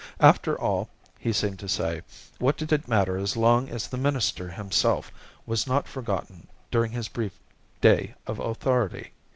After all, he seemed to say, what did it matter as long as the minister himself was not forgotten during his brief day of authority?